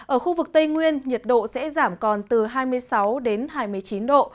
ở khu vực tây nguyên nhiệt độ sẽ giảm còn từ hai mươi sáu đến hai mươi chín độ